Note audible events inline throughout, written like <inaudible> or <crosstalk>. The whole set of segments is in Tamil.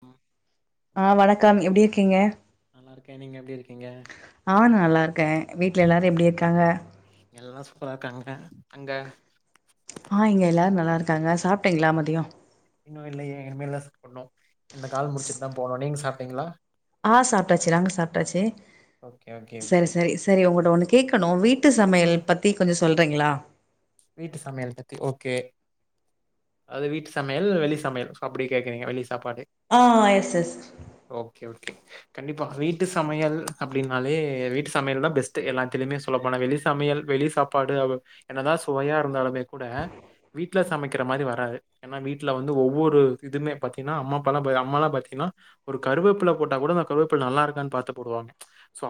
ஆ ஆ வணக்கம் எப்டி நா இருக்க நீங்க எப்டி இருக் ஆவ நா நல்லா இருக்கே வீட்ல ஓ எல்லாரு எப்டி இருக்காங்க? எல்லா சூப்பரா இருக்காங்க அங்க? ஆ இங்க எல்லாரு நல்லா இருக்காங்க சாப்ட்டீங்களா மதியொ இன்னு இல்லையே இனிமேலதா சாப்டுண்ணு இந்த கால் முடிச்சுட்டுதா போணு நீங்க சாப்ட்டீங்களா? ஆ சாப்ட்டாச்சு நாங்க சாப்ட்டாச்சு ஓகே ஓகே செரி ஓகே சரி செரி உங்கட்ட ஒன்னு கேக்கணு வீட் ட்டு சமையல் ம் பத்தி கொஞ்சொ சொல்றீங்களா வீட்டு சமையல் பத்தி ஓகே அது வீட்டு சமையல் வெளி சமையல் அப்படியே கேக்குறீங்க வெளி சாப்பாடு ஆ எஸ் எஸ் ஓகே, ஓகே. கண்டிப்பா வீட்டு சமையல் வீட்டு சமையல் அப்படின்னாலே வீட்டு சமையல் தான் பெஸ்ட் எல்லாத்திலயுமே சொல்ல போன வெளி சமையல் வெளி சாப்பாடு என்னதான் சுவையா இருந்தாலுமே கூட வீட்ல சமைக்கிற மாதிரிவராது ஏனாவீட்ல வந்து ஒவ்வொரு இதுவுமே பாத்தீங்கன்னா அம்மா அப்பா எல்லா அம்ம எல்லா பாத்தீங்கன்னா ஒரு கருவேப்பில போட்டா கூட அ ஒரு கருவேப்பல போட்டா கூட நல்லா இருக்கா பார்த்து போடுவாங்க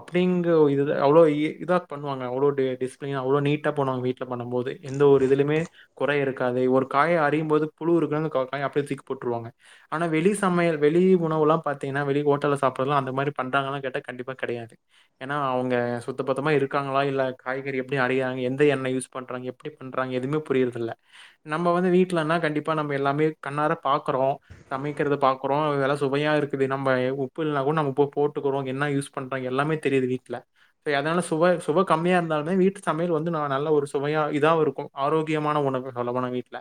அப்படிங்க இது அவ்வளவு இதா பண்ணுவங்க அவ்ளோ டிஸிப்லினா அவ்ளோ நீட்டா பண்ணுவாங்க வீட்ல பண்ணும் போது எந்த ஒரு இதுலுமே குறை இருக்காது ஒரு காய் அறியும் போது புழு இருக்கு காய் அப்படியே தூக்கி போட்ருவாங்க ஆனா வெளி சமையல் வெளி உணவு எல்லா பார்த்தீங்கன்னா வெளி ஹோட்டல் சாப்டுறதொல்லாம் அந்த மாதிரி பண்றதே கிடையாது ஏன்னா அவங்க சுத்த பத்தமா இருக்காங்களா இல்ல காய்கறி எப்படி அறியறாங்க எந்த எண்ணெய் யூஸ் பண்றாங்க எப்படி பண்றாங்க எதுவுமே புரியுறதில்ல நம்ம வந்து வீட்லனா கண்டிப்பா நம்ம எல்லாமே கண்ணார பாக்குறோ சமைக்கிறத பாக்குறோ எல்லாம் சுவையா இருக்குது நம்ம உப்பு இல்லனா கூட நம்உப்பு போட்டுக்கிறோ என்ன யூஸ் பண்றாங்க எல்லா எல்லாமே தெரியுது வீட்ல அதனால சுவை சுவை கம்மியா இருந்தாலுமே வீட்டு சமையல் வந்து நல்ல ஒரு சுவையா இது தான் இருக்கும் ஆரோக்கியமான உணவு சொல்லபோனா வீட்ல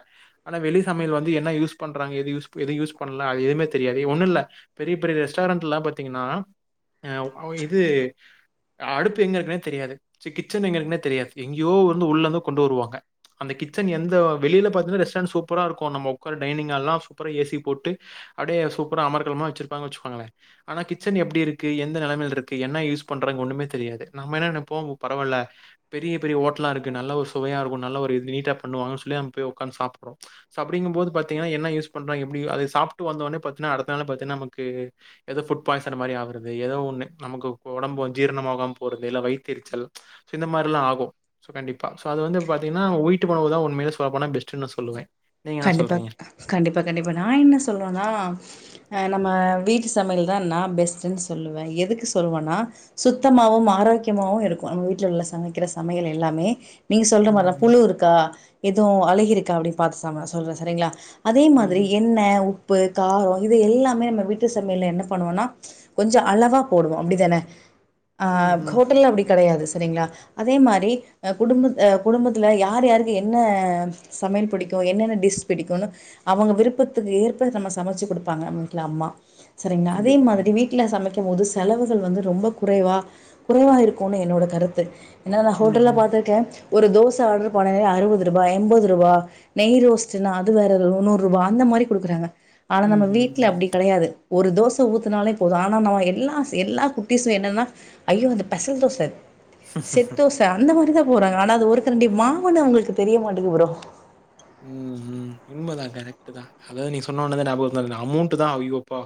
ஆன வெளி சமையல் வந்து என்ன யூஸ் பண்றாங்க எது யூஸ் பண்ணல அது எதுவுமே தெரியாது ஒண்ணும் இல்ல பெரிய பெரிய ரெஸ்டாரன்ட் எல்லாம் பாத்தீங்கன்னா ஆ இது அடுப்பு எங்க இருக்குன்னே தெரியாது கிச்சன் எங்க இருக்குனே தெரியாது எங்கேயோ வந்து உள்ள இருந்து கொண்டு வருவாங்க அந்த கிச்சன் எந்த வெளியில பாத்தீங்கன்னா ரெஸ்டாரண்ட் சூப்பரா இருக்கும் நம்ம உட்கார டைனிங்ஹால் எல்லாம் சூப்பரா ஏசி போட்டு அப்படியே சூப்பர அமர்கலமா வச்சுருப்பாங்க வச்சுக்கோங்களே ஆனா கிச்சன் எப்படி இருக்கு எந்த நிலைமைையில் இருக்கு என்ன யூஸ் பண்றா ஒண்ணமே தெரியாது நம்ம என்ன நினைப்போ பரவால்ல பெரிய பெரிய ஹோட்டலா இருக்கு நல்ல ஒரு சுப் சுவையா இருக்கும் நல்ல ஒரு நீட்டா பண்ணுவாங்க சொல்லி அங்கே போய் உட்கார்ந்து சாப்படுறோ அப்படிங்க போது பாத்தீங்கன்னா என்ன யூஸ் பண்றாங்க எப்படி அது சாப்பிட்டு வந்தவுடனோ பாத்தீங்கன்னா அடுத்த நாளே பாத்தா நமக்கு ஏதோ புட்பாய்சன் மாதிரி ஆகிறது ஒன்னு ந உடம்பு ஜீரணமாகமே போறது இல்ல வைத்தரிச்சல் இந்த மாதிரி எல்லாம் ஆகும் சோ கண்டிப்பா அது வந்து பார்த்தீங்கன்னா வெயிட் உணவு தான்உண்மையில சொல்லப்போனா பெஸ்டுன்னு சொல்லுவே கண்டிப்பா கண்டிப்பா கண்டிப்பா நான் என்ன சொல்லுவனா அ நம்ம வீட்டு சமையல் தான் நான் பெஸ்ட்டுனு சொல்லுவேன் எதுக்கு சொல்லுவன்னா சுத்தமாவும் ஆரோக்கியமாவும் இருக்கு நம்ம் வீட்ல உள்ள சமைக்கிற சமையல் எல்லாமே நீங்க சொல்ற மாரிதான் ம். புழு இருக்கா எதுவும் அழகி இருக்கா அப்படின்னு பாத்து சநான் சொல்றேன் சரிங்களா அதே மாதிரி ம். என்ன உ உப்பு காரம் இது எல்லாமே நம்ம வீட்டு சமையல்ல என்ன பண்ணுவோம்னா கொஞ்சம் அளவா போடுவோ அப்படிதானே ஆ ம். ம். ஹோட்டல அப்படி கிடையாது சரிங்களா அதே மாரி குடும்ப குடும்பத்தில யார் யாருக்கு என்ன ச மேல் புடிக்கும் என்னென்ன டிஷ் பிடிக்கும்னு அவங்க விருப்பத்துக்கு ஏற்ப நம்ம சமைச்சு கொடுப்பாங்க வீட்ல அம்மா சரிங்கலா அதே கண்டிப்பா, மாதிரி கண்டிப்பா. வீட்டுல சமைக்க கும் போது செலவுகள் வந்து ரொம்ப குறைவா குறைவா இருக்கும்னு என்னோட கருத்து ஏன்னா நான் ம். ஹோட்டல்ல ம். பாத்திருக்கே ஒரு தோசை ஆர்டர் பண்ணே அறுபது ரூபா எண்பது ரூபாய் நெய் ரோஸ்ட் அது வேற நூறு ரூபா அந்த மாரி கொடுக்குறாங்க ஆனா ம். நம்ம ம். வீட்ல ம். அப்படி கடையாது ஒரு தோசை ஊத்துனாலே போதும் ஆனா நம் எல்லா எல்லா குட்டிஸும் என்னன்னா ஐயோ அந்த ஸ்பசல் தோசை செட்தோச அந்த மாதிரிதான் போறாங்க ஆனா அது ஒரு கரண்டி மாவுனு அவங்களுக்கு தெரிய மாட்டேங்கீது ப்ரோ ம் ம் உண்மைதான் கரெக்ட தான் அதாவது நீ சொன்ன உடனே ஞாபக அமௌண்ட் தான் ஐயோ அப்பா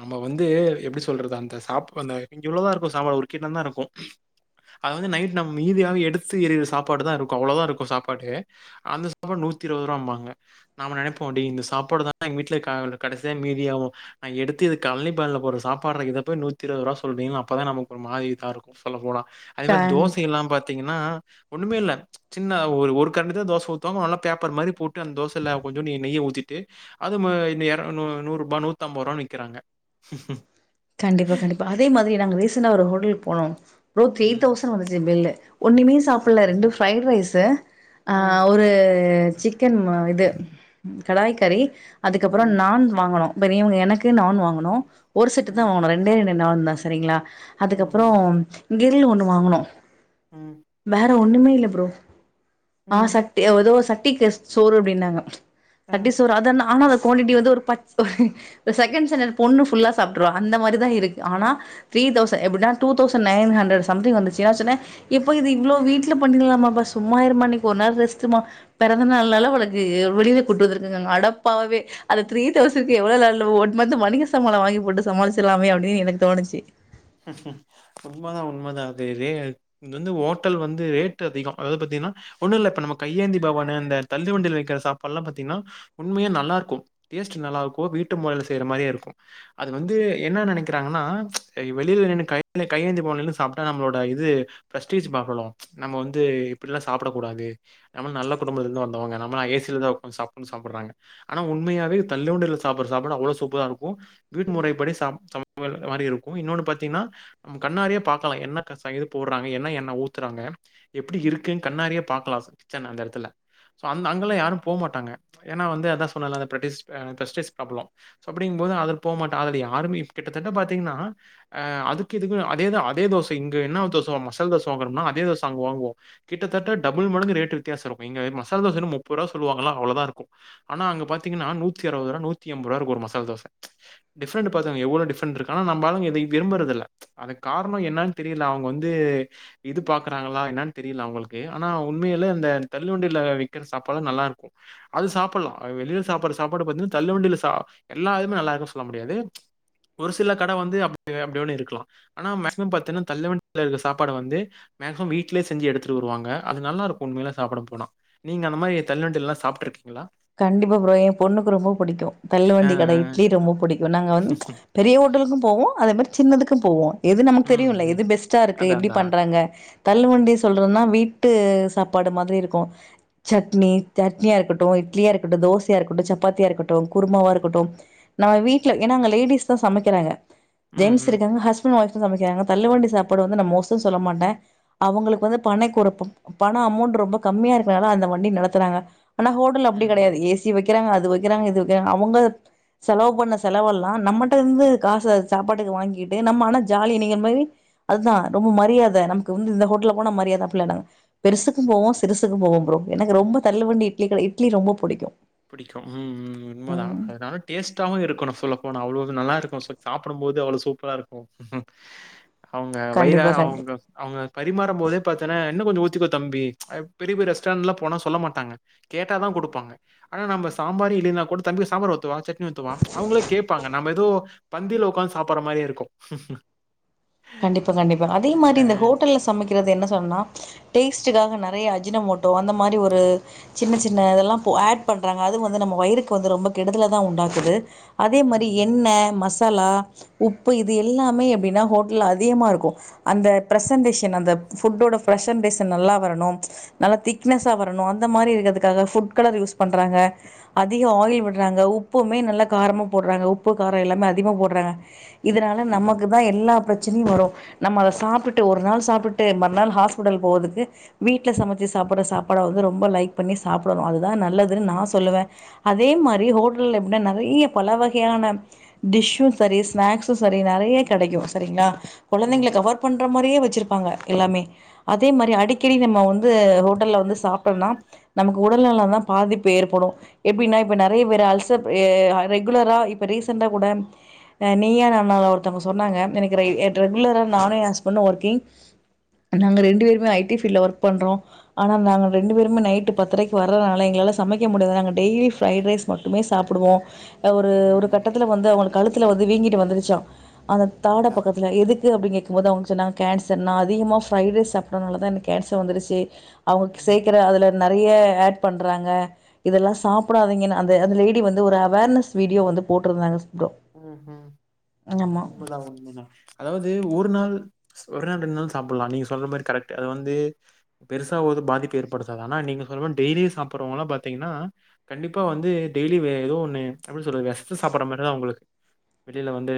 நம்ம வந்து எப்படி சொல்றது அந்த சாப் அந்த இ்வோளவுதான் இருக்கும் சாம் ஒரு கிண்ணம் தான் இருக்கு அது வந்து நைட் நம்ம மீதியாவ எடுத்து எறிற சாப்பாடு தான் இருக்கு அவ்வளவுதான் இருக்கு சாப்பாடு அந்த சாப்பாடு நூற்றி இருபது ரூபாங்க நாம நினைப்போம் இந்த சாப்பாடு தான் எங்க வீட்ல கடைசியா மீதியாகும் நா எடுத்து இது கலணி பானைல போட்ர சாப்பாட்ரா இத போயீ நூத்தி இருபது ரூபா சொல்றீங்க அப்பதான் நமக்கு ஒரு மாதி இதா இருக்கும் சொல்ல போனா அதே மாதிரி கண் தோசை எல்லாம் பாத்தீங்கன்னா ஒண்ணுமே இல்ல சின்ன ஒரு ஒரு கரண்டி தான் தோசை ஊத்துவாங்க நல்லா பேப்பர் மாதிரி போட்டு அந்த தோசைல கொஞ்சட் நெய்யீ ஊத்திட்டு அது நூறு ரூபா நூத்தஅம்பது ரூபா விக்கிறாங்க கண்டிப்பா கண்டிப்பா அதே மாதிரி நாங்க ரீசெண்டடா ஒரு ஹோட்டலுக்கு போனோ ப்ரோ த்ரீ ம் தௌசண்ட் வந்துச்சு பில்லு ஒண்ணுமே சாப்பல்ல ரெண்டு அடேங்கப்பா ஃப்ரைட் ரைஸு ம் ஆஹ் ஒரு சிக்கன் இது கடாய்கறி அதுக்கப்பறோ ம் நான் வாங்கனோ பெரியவங்க எனக்கு நான் வாங்கணோ ஒரு செட்டு தா ம் வாங்கணோ ரெண்டே ரெண்டு நான் தா சரிங்களா ம் அதுக்கப்பறோ கிரீல் ஒண்ணு வாங்கனோ உம் ஒண்ணுமே இல்ல ப்ரோ ஆஹ் சட்டி ஏதோ சட்டிக்கு சோறு அப்டின்னாங்க அ சட்டி சோறு அத நானு அத கோன்டிட்டி வந்து ஒரு பச் செகண்ட் ஸ்டாண்டர்ட் பொண்ணு ஃபுல்லா சாப் ப்ரோ அந்த மாரி தா இருக்கு ஆனா த்ரீ தௌசண்ட் எப்டினா two thousand nine hundred something வந்துச்சு ஏன்னா நா சொன்ன இப்போ இது இவ்ளோ வீட்ல பண்ணிக்கலாமாபா சும்மா இருமா இன்னிக்கு ஒரு நாள் ரெஸ்ட்மா பெறந்த நாள்னால உனக்கு வெளில கூட்டு வந்துருகங்க அடப்பாவி அது த்ரீ தெளசண்ட் எவ்ளோ நாள் ஒன் மன்த் மளிக சாமா நா வாங்கி போட்டு சமாளிச்சலாமே அப்டின்னு எனக்கு தோணுச்சி உண்மதா உண்மதா அது ரே இது வந்து ஹோட்டல் வந்து ரேட்டு அதிகோ அத பத் தீனா ஒண்ணு இல்ல இப்ப நம்ம கையேந்தி பவனு இந்த தள்ளு வண்டில வைக்கற சாப்பாட் எல்லா பாத்திங்கன்னா உண்மையா நல்லா இருக்கு டேஸ்ட் நல்லா இருக்கோ வீட்டு மொறைல செய்ற மாரி இருக்கு அது வந்து என்ன நெனைக்கிறாங்கன்னா வெளில நின்னு கை <inaudible> கையேந்தி புவன்ல நின்னு சாப்ட்டா நம்ளோட இது ப்ரெஸ்டீஜ் பஹலு நம்ம வந்து இப்டிலா சாப்படக்கூடாது நம்ம நல்ல குடும்பத்துல இருந்து வந்தவங்க நம்மலா ஏசில தா ஒக்காந்து சாப்ட்ணு சாப்பட்றாங்க ஆனா உண்மையாவே தள்ளு வண்டில சாப்பட்ற சாப்பாடு அவ்ளோ சூப்பரா இருக்கு வீட்டு மொறைப்படி சம <inaudible> மாரி இருக் இன்னொன்னு பாத்தீங்ன்னா கண்ணாரே பாக்கலா என்ன கசயு போடறாங்க என்ன எண்ண ஊத்துறாங்க எப்டி இருக்குன் கண்ணாரியே பாக்கலா சச்சன் அந்த எடத்துல சோ அந் அங்கலா யாரு போ மாட்டாங்க ஏன்னா வந்து அதா சொன்னல ப்ரடீஸ் ஆ ப்ரெஸ்டீஸ் ப்ராப்ளம் சோ அப்டிங் போது அது போ மாட்டா ஆல்ரடி யாருமே கிட்டத்தட்ட பாத்தீங்கன்னா ஆஹ் அதுக்கு இதுக்கு அதேதா அதே தோச இங்க என்னா தோச மசால் தோச வாங்குறோம்னா அதே தோச அங்க வாங்குவோ கிட்டத்தட்ட டபுள் மடங்கு ரேட்டு வித்தியாசோ இருக்கு இங்க மசால் தோச என்ன முப்பது ருவா சொல்லுவாங்களா அவ்ளதா இருக்கு ஆனா அங்க பாத் த்தீங்கனா நூத்தி அறுவதுருவா நூத்தி எம்பதுருவா இருக்கு ஒரு மசால் தோச டிஃப்ரெண்ட் பாத்துகங்க எவ்ளோ டிஃப்ரெண்ட் இருக்கு ஆனா நம்பாளுங்க விரும்பறதில்ல அது காரணோ என்னனு தெரியல அவுங்க வந்து இது பாக்கறாங்களா என்னனு தெரில அவுங் ள்க்கு ஆனா உண்மைலே அந்த தள்ளு வண்டில விக்கற சாப்பாடு நல்லா இருக்கு அது சாப்பல்லா அது வெளிய சா சாப்பட்ற சாப்பாடு பாத்தீனா தள்ளுவண்டில சா எல்லாமே நல்லா இரு சொல்ல முடியாது ஒரு சில கட வந்து அப் யோ அப்படியோனு இருக்கலா ஆனா மேக்சிமம் பாத்தின்னா தள்ளுவண் <inaudible> ல இருக்க சாப்பாடு வந்து மேக்சிமம் வீட்லே செஞ்சி எடுத்துட்டு வருவாங்க அது நல்லாருக்கு உண்மைலே சாப்பட போன நீங்க அந்த மாறி தள்ளுவண்டில எல்லா சாப்ட்டிருக்கி கண்டிப்பா ப்ரோ எ பொண்ணுக்கு ரொம்ப புடிக்கு தள்ளு ஆ, வண்டி கட ஆ. இட்லி ரொம்ப புடிக்கு நாங்க வந்து பெரிய ஓட்டலுக்கு போவோ அதே மாறி சின்னதுத்துக்கு போவோ எது நமக்கு ம், தெரியுல ம். எது பெஸ்ட்டா இருக்கு அதான், எப்டி அதான். பண்றாங்க தள்ளு வண்டி சொல்றனா வீட்டு சாப்பாடு மாதிரி இருக்கு சட்னி சட்னியா இருக்கட்டு இட்லியா இருக்கட்டு தோசையா இருக்கட்டு சப்பாத்தியா இருக்கட்டு குருமாவா இருக்கட்டு ந வீட்ல ஏன்னா அங்க லேடிஸ் தா சமைக்கறாங்க ம், ஜென்ட்ஸ் ம். இருக்காங்க ஹஸ்பண்ட் ஒய்ஃப் சமைக்கறாங்க தள்ளுவண்டி சாப்பாடு வந்து நா மோசோ சொல்ல மாட்ட அவுங்களுக்கு வந்து பனை குறப்பம் பண அமோண் ரொம்ப கம்மியா இருக்கனால அந்த வண்டி நடத்துறாங்க ஆனா ஹோட்டல்ல ம், அப்டி கெடயாது ம். ஏசி வை வைக்கறாங்க அது வைக்கறாங்க இது வைக்கறாங்க அவுங்க செலவு பண்ண செலவெல்லா நம்மட்ட இருந்து காசு சாப்பாட்டுக்கு வாங்கிட்டு நம்ம ஆனா ஜாலி நீங்க அது மாறி அதுதா ரொம்ப மரியாத நமக்கு வந்து இந்த ஹோட்டல போனா மரியாத அப்டிலா இல்லங்க பெருசுக்கு போவோ சிரிசுக்கு போவோ ப்ரோ எனக்கு ரொம்ப தள்ளு வண்டி இட்லி க இட்லி ரொம்ப புடிக்கு புடிக்கு உம் உம் உண்மதா ம் அதா டேஸ்ட்டாவு இருக்கணு சொல்ல போன அவ்ளோ நல்லா இருக்கு சாப்படு போது அவ்ளோ சூப்பரா இருக்கு அவுங்க வயிற கண்டிப்பா கண்டிப்பா அவுங்க அவுங்க பரிமாற போதே பாத்தன்னா இன்னு கொஞ்சோ ஊத் திக்கோ தம்பி பெரிய பெரிய ரெஸ்டாரெண்ட் போனா சொல்ல மாட்டாங்க கேட்டா தா கொடுப்பாங்க ஆனா நம்ப சாம்பாரு இல்லேன்னா கூட தம்பி சாம்பார் ஊத்தவா சட்னி ஊத்தவா அவுங்களே கேப் ப்பாங்க நம்ப ஏதோ பந்தில உக்காந்து சாப்பாட்ற மாறியே இருக்கு கண்டிப்பா கண்டிப்பா அதே மாறி இந்த ஹோட்டல்ல சமைக்க கிறது என்ன சொன்னா டேஸ்ட் காக நெறய அஜினமோட்டோ அந்த மாறி ஒரு சின்ன சின்ன இதெல்லா போ ஆட் பண்றாங்க அது வந்து நம்ம வயிறுக்கு வந்து ரொம்ப கெடுதல தா உண்டாக்குது அதே மாரி ம், எண்ணெ மசாலா உப்பு இது எல்லாமே எப்டின்னா அதிகமா இருக்கு அந்த பிரசன்டேஷன் அந்த ஃபுட்டோடா பிரசன்டேஷன் நல்லா வரணும் திக்னஸா வரணு அந்த மாரி இருக்கிறதுக்காக ஃபுட் கலர் யூஸ் பண்றாங்க அதிக ஆயில் விடுறாங்க உப் உப்புமே நல்ல காரமா போடுறாங்க உப்பு கார எல்லாமே அதிகமா போடுறாங்க இதனால நமக்கு தா எல்லா பிரச் சனையு வரு நம்ம அத சாப்ட்டுட்டு ஒரு நாள் சாப்ட்டுட்டு மறுநாள் ஹாஸ்பிடல் போகுதுக்கு வீட்ல சமச்சி சாப் சாப்புடுற சாப்பாட வந்து ரொம்ப லைக் பண்ணி சாப்டணு அதுதா நல்லதுனு நா சொல்லுவ அதே மாரி ஹோட்டல அப்டி நெறைய பல வகையான டிஷ்ஷும் சரி ஸ்நாக்ஸும் சரி நெறைய கெடைக்கும் சரிங்களா கொழந்தைங்கள ம், கவர் பண்ற மாரியே வச்சிருப் ங்க எல்லாமே அதே மாரி அடிக்கடி நம்ம வந்து ஹோட்டல்ல வந்து சாப்டோனா நமக்கு உடல்ல ல தா பாதிப்பு ஏற்படு எப்டின்னா இப்ப நெறய பேர் அல்சர் ரெகுலரா இப்ப ரீசண்டா கூட நீயா நானா ல ஒருத்தங்க சொன்னாங்க எனக்கு ரெகுலரா நானு எ ஹஸ்பண்ட்டும் ஒர்க்கிங் நாங்க ரெண்டு பேருமே ஐடி ஃபீல் ஒர்க் பண்றோம் ஆனா நாங்க ரெண்டு பேருமே நைட்டு பத்தரைக்கு வர்றனால எங்கள சமைக்க முடியாது நாங்க டெய்லி ஃபிரைட் ரைஸ் மட்டுமே சாப்டுவோ ஒரு ஒரு ம். கட்டத்துல வந்து அவங்களுக்கு கழுத்துல வந்து வீங்கிட்டு வந்துருச்சா அந்த தாட அதான். பக்கத்து எப்டி அப்டினு கேட்கும் போது அவங்க சொன்னாங்க கேன்சர் நா அதிகமா ஃபிரைட் ரைஸ் சாப்டதுனால தா எனக்கு கேன்சர் வந்துருச்சு அவங்க ம், சேக்குற அதுல நெறய ஆட் பண் றாங்க இதெல்லா சாப்டாதீங்கனு அந்த அந்த லேடி வந்து ஒரு அவர்னஸ் வீடியோ வந்து போட்டுருந்தாங்க ம் ம் உண்மதா உண்மதா அதாவது ஒரு நாள் ஒரு நாள் ரெண்டு நாள் சாப்டலாம் நீங்க சொல்ற மாரி கரெக்ட் அது வந்து பெருசா ஒரு பாதிப்பு ஏற்படுத்தாது ஆனா நீங்க சொல்ற டெய்லியு சாப்பிடுருவங்கள பாத்தீங்கனா கண்டிப்பா வந்து டெய்லி வே எதோ ஒன்னு எப்டி சொல்றது வெஷத்த சாப்டுற மாரிதா அவங்களுக்கு உ <inaudible> வெளியில வந்து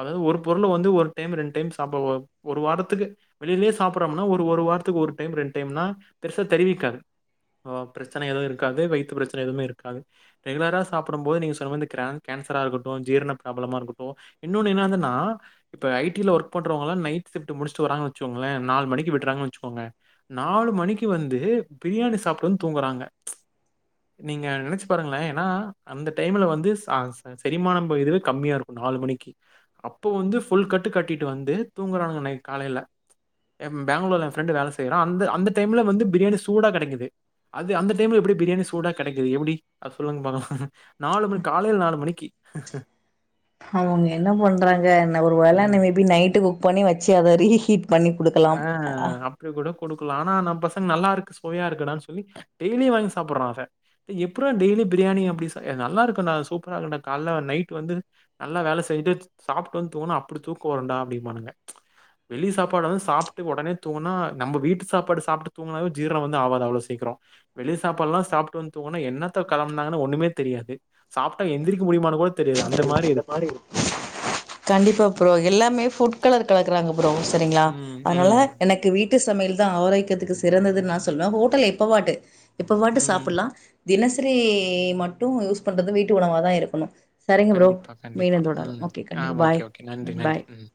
அதாது ஒரு பொருள் வந்து ஒரு டைம் ரெண்டு டைம் சாப்ட்டு ஒரு வாரத்துக்கு வெளியிலயே சாப்றோம்னா ஒரு ஒரு வாரத்துக்கு ஒரு டைம் ரெண்டு டைம்னா பெருசா தெரிவிக்காது பிரச்சனை எதுவு இருக்காது வையித்து பிரச்சனை எதுவுமே இருக்காது ரெகுலரா சாப்பிடும் போது நீங்க சொல்ற கிர கேன்சரா இருக்கட் ஜீரண ப்ராப்ளம இருக்கட்டு இன்னொன்னு என்னாதுனா இப்ப ஐடி ல ஒர்க் பண்றவங்களா நைட் ஷிப்ட் முடிச்ட்டு வச்சுக்கோங்களே நாலு மணிக்கு விட்டுறாங்க வச்சுகோங்க நாலு மணிக்கு வந்து பிரியாணி சாப்ட்டு வந்து தூங்குறா ங்க நீங்க நெனச்சு பாருங்களே ஏனா அந்த டைம்ல வந்து ச ச செரிமான இதுவே கம்மியா இருக்கு நாலு மணிக்கு அப்போ வந்து ஃபுல் கட்டு கட்டிட்டு வந்து தூங்கறானுங்க நைட் காலைல எ பெங்களூர்ல ஏ ஃப்ரெண்டு வேலை செய்றா அந்த அந்த டைம்ல வந்து பிரியாணி சூடா கெடைக்குது அது அந்த டைம்ல எப்டி பிரியாணி சூடா கெடைக்குது எப்டி அத சொல்லுங்க பாக்கலா நாலு மணி காலைல நாலு மணிக்கி <inaudible> அவுங்க என்ன பண்றாங்க என்ன ஒரு வேல இன்னு மே பீ நைட் குக் பண்ணி வச் வச்சி அத ரீஹீட் பண்ணி குடுக்கலாம் குடுக்கலா ஆனா நம்ம பசங்க நல்லா இருக்கு சுவையா இருக்குடான்னு சொல்லி டெய்லியு வாங்கி சாப்டுறா அத டேய் எப்றா டெய்லி பிரியாணி அப்டி சா ஏ நல்லா இருக்குன்டா சூப்பரா இருக்குன்டா கால்ல நைட் வந்து நல்லா வேல செஞ்சிட்டு சாப்ட்டு வந் தூங்குணா அப்டி தூக்கவருண்டா அப்டிம்பானுங்க வெளி சாப்பாட வந்து சாப்ட்டு உடனே தூங்குனா நம்ம வீட்டு சாப்பாடு சாப்ட்டு தூங்குனாவே ஜீரன வந்து ஆவாது அவ்ளோ சீக்கரோ வெளி சாப்பாடுல்லா சாப்டு வந்து தூங்குனா என்னத்த கலந்தாங்கன்னு ஒண்ணுமே தெரியாது சாப்ட்டா எந்திரிக்க முடியமான்னு போ தெரியாது அந் கண்டிப்பா ப்ரோ எல்லாமே ஃபுட் கலர் கலக்குறாங்க ப்ரோ சரிங்களா ம், அதனால ம், எனக்கு வீட்டு சமையல் தா ஆரோக்கியத்துக்கு சிறந்தது நா சொல்லுவே ஹோட்டல்ல எப்பவாட்டு எப்பவாட்டு ம். சாப்லா தினசரி மட்டு யூஸ் பண்றது வீட்டு உணவாதா இருக்கணு சரிங்க ப்ரோ கண்டிப்பா, மீத கண்டிப்பா. தொடர ம். ஓகே ஆ கண்டிப்பா ஓகே, பாய் ஓகே. நன்றி, நன்றி. பாய் ம்.